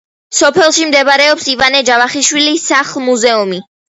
სოფელში მდებარეობს ივანე ჯავახიშვილის სახლ-მუზეუმი.